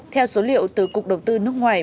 theo số liệu từ cục đầu tư nước ngoài